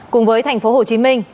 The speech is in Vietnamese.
cùng với thành phố hồ chí minh